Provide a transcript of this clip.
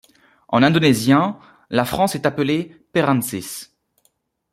En indonésien, la France est appelée Perancis.